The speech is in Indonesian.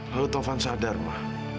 lalu taufan sadar ma